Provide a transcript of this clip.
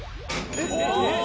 えっ？